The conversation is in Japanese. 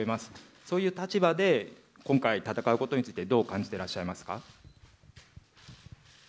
そういう立場で今回戦うことについて、どう感じてらっしゃいますか。